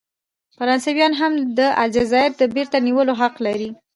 فرانسویان هم د الجزایر د بیرته نیولو حق لري.